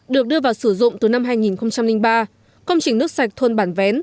được đưa vào sử dụng từ năm hai nghìn ba công trình nước sạch thôn bản vén